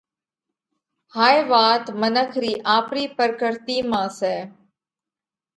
هائي وات منک رِي آپرِي پرڪرتِي مانه سئہ۔